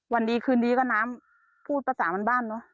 วันดีคืนนี้ก็น้ำพูดภาษามันบ้านเนอะ